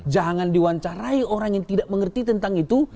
jangan diwawancarai orang yang tidak mengerti tentang itu